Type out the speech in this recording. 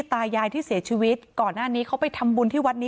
สามล้อแถวนี้ก็ไม่มี